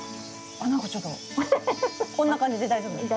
あっ何かちょっとこんな感じで大丈夫ですか？